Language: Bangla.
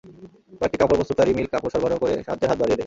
কয়েকটি কাপড় প্রস্তুতকারী মিল কাপড় সরবরাহ করে সাহায্যের হাত বাড়িয়ে দেয়।